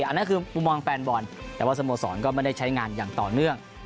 อันนั้นคือมุมมองแฟนบอลแต่ว่าสโมสรก็ไม่ได้ใช้งานอย่างต่อเนื่อง